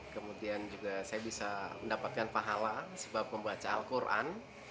kemudian juga saya bisa mendapatkan pahala sebab membaca al quran